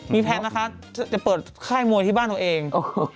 มีแพลนนะคะจะเปิดค่ายมวยที่บ้านตัวเอง